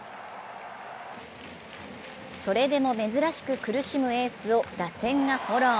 それでも珍しく苦しむエースを打線がフォロー。